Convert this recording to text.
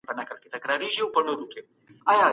کله به د مور او ماشوم د مړینې کچه کمه سي؟